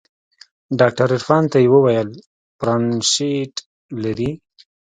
ډاکتر عرفان ته يې وويل برانشيت لري.